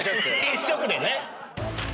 １色でね。